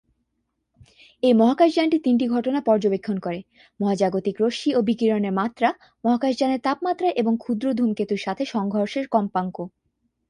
এই মহাকাশযানটি তিনটি ঘটনা পর্যবেক্ষণ করে: মহাজাগতিক রশ্মি ও বিকিরণের মাত্রা, মহাকাশযানের তাপমাত্রা এবং ক্ষুদ্র ধূমকেতুর সাথে সংঘর্ষের কম্পাঙ্ক।